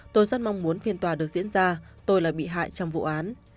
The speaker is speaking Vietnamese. tôi rất mong muốn phiên tòa được diễn ra tôi là bị hại trong vụ án